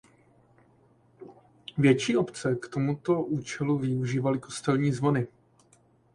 Větší obce k tomuto účelu využívaly kostelní zvony.